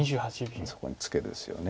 そこにツケですよね。